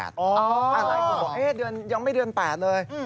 หรอกว่าเดือนหยังไม่ดึงเดือน๘เลย